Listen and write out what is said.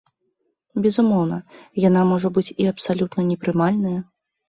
Безумоўна, яна можа быць і абсалютна непрымальная.